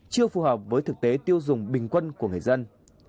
chưa phù hợp với thực tế tiêu dùng bình quân của người dân